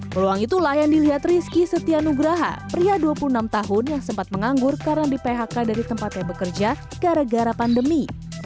peluang itulah yang dilihat rizky setia nugraha pria dua puluh enam tahun yang sempat menganggur karena di phk dari tempatnya bekerja gara gara pandemi